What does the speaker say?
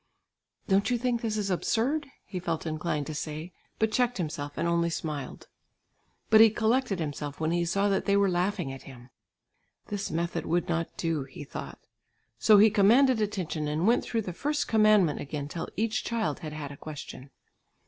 "Don't you think this is absurd," he felt inclined to say, but checked himself and only smiled. But he collected himself when he saw that they were laughing at him. "This method would not do," he thought. So he commanded attention and went through the first commandment again till each child had had a question.